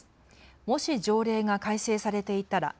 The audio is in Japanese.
もし条例が改正されていたら。